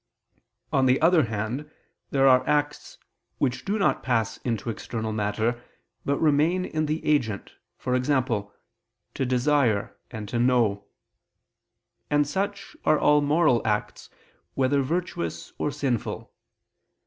On the other hand, there are acts which do not pass into external matter, but remain in the agent, e.g. to desire and to know: and such are all moral acts, whether virtuous or sinful.